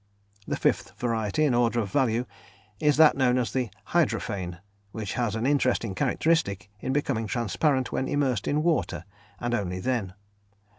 The fifth variety in order of value, is that known as the "hydrophane," which has an interesting characteristic in becoming transparent when immersed in water, and only then.